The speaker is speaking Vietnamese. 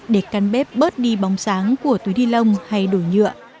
để căn bếp bớt đi bóng sáng của túi đi lông hay đồ nhựa